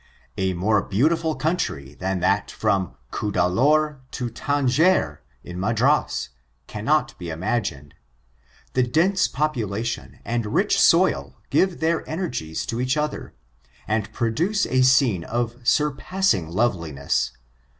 A more beautiful country than that from Cuddalone to Tanjore, in Madras, cannot be im* agined. The dense population and rich soil give their energies to each other, and produce a scene of surpassing loveliness.